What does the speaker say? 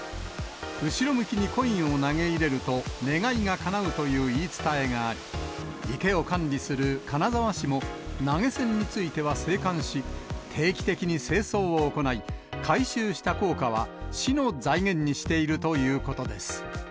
後ろ向きにコインを投げ入れると、願いがかなうという言い伝えがあり、池を管理する金沢市も、投げ銭については静観し、定期的に清掃を行い、回収した硬貨は市の財源にしているということです。